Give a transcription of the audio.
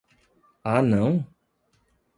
Ah não?